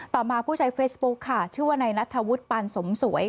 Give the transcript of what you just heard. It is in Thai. ต่อมาผู้ใช้เฟซบุ๊คค่ะชื่อว่านายนัทธวุฒิปานสมสวย